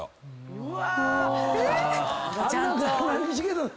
うわ！